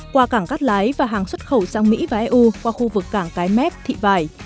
qua cảng cắt lái và hàng xuất khẩu sang mỹ và eu qua khu vực cảng cái mép thị vải